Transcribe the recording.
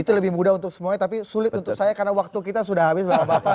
itu lebih mudah untuk semuanya tapi sulit untuk saya karena waktu kita sudah habis bapak bapak